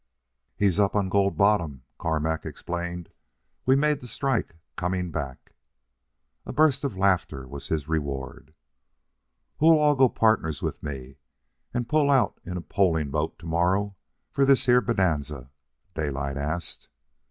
"He's up on Gold Bottom," Carmack explained. "We made the strike coming back." A burst of laughter was his reward. "Who all'll go pardners with me and pull out in a poling boat to morrow for this here Bonanza?" Daylight asked.